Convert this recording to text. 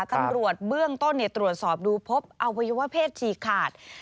ตำรวจเบื้องต้นตรวจสอบดูพบอวัยวะเพศฉีกขาด